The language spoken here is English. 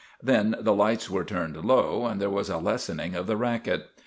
Then the lights were turned low, and there was a lessening of the racket.